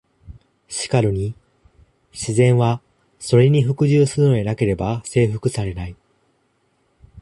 しかるに「自然は、それに服従するのでなければ征服されない」。